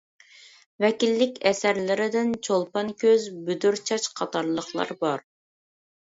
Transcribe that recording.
ۋەكىللىك ئەسەرلىرىدىن: «چولپان كۆز» ، «بۈدۈر چاچ» قاتارلىقلار بار.